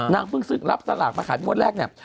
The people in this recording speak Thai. เพิ่งรับสลากมาขายงวดแรกเนี่ย